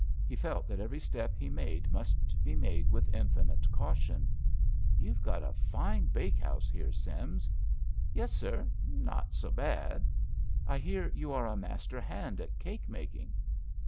He felt that every step he made must be made with infinite caution. "You've got a fine bakehouse here, Sims." "Yes, sir; not so bad." "I hear you are a master hand at cake making."